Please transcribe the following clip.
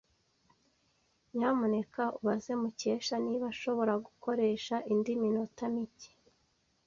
Nyamuneka ubaze Mukesha niba ashobora gukoresha indi minota mike.